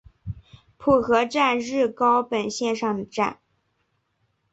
浦河站日高本线上的站。